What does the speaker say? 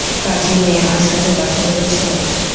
পাজি মেয়ে, ওর সাথে কথা বলেছো?